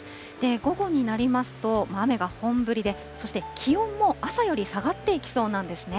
午後になりますと、雨が本降りで、そして、気温も朝より下がっていきそうなんですね。